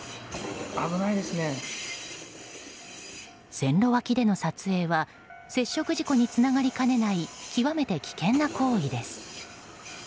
線路脇での撮影は接触事故につながりかねない極めて危険な行為です。